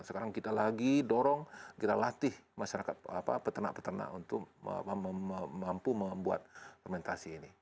sekarang kita lagi dorong kita latih masyarakat peternak peternak untuk mampu membuat fermentasi ini